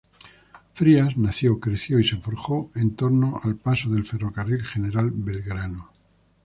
Frías nació, creció y se forjó en torno al paso del ferrocarril General Belgrano.